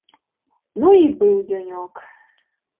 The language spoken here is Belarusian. Ну і быў дзянёк!